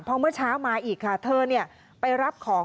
พอเมื่อเช้ามาอีกค่ะเธอไปรับของ